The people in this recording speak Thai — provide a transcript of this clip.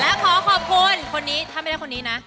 และขอขอบคุณคนนี้ถ้าไม่ได้คนนี้นะ